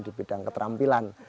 di bidang keterampilan